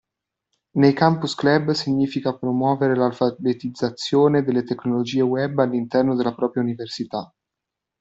Nei Campus Club significa promuovere l'alfabetizzazione delle tecnologie Web all'interno della propria Università.